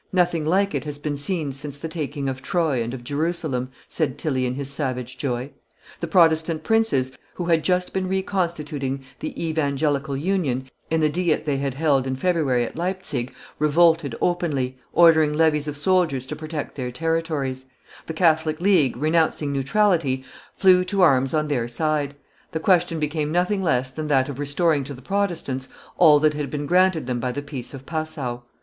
"Nothing like it has been seen since the taking of Troy and of Jerusalem," said Tilly in his savage joy. The Protestant princes, who had just been reconstituting the Evangelical Union, in the diet they had held in February at Leipzig, revolted openly, ordering levies of soldiers to protect their territories; the Catholic League, renouncing neutrality, flew to arms on their side; the question became nothing less than that of restoring to the Protestants all that had been granted them by the peace of Passau.